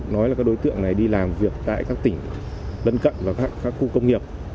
nói là các đối tượng này đi làm việc tại các tỉnh lân cận và các khu công nghiệp